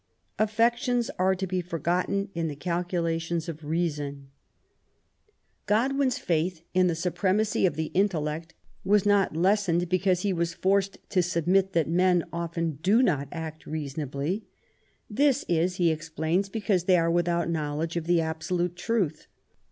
Afi^ections are to be forgotten in the calculations of reason. Godwin s 174 MABY W0LL8T0NECBAFT GODWIN. faith in the supremacy of the intellect was not lessened because he was forced to admit that men often do not act reasonably. This is^ he explains^ because they are without knowledge of the absolute truth.